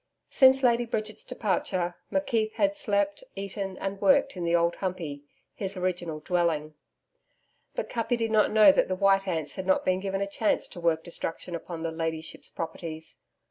Since Lady Bridget's departure, McKeith had slept, eaten and worked in the Old Humpey, his original dwelling. But Kuppi did not know that the white ants had not been given a chance to work destruction upon 'the Ladyship's' properties.